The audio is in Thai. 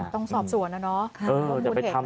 ต้องสอบส่วนแล้วเนอะ